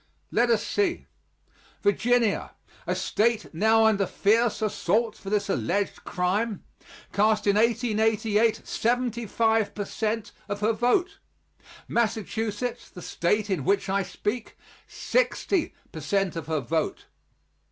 Let us see. Virginia a state now under fierce assault for this alleged crime cast in 1888 seventy five per cent of her vote; Massachusetts, the State in which I speak, sixty per cent of her vote.